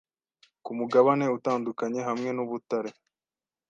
kumugabane utandukanye hamwe nubutare